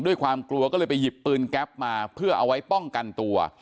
ด้วยความกลัวก็เลยไปหยิบปืนแก๊ปมาเพื่อเอาไว้ป้องกันตัว